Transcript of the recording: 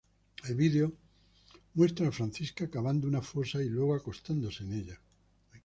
El video muestra a Francisca cavando una fosa y luego acostándose en ella.